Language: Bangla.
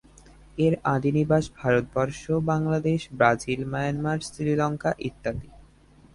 এর আদি নিবাস ভারতবর্ষ, বাংলাদেশ, ব্রাজিল, মায়ানমার, শ্রীলঙ্কা ইত্যাদি।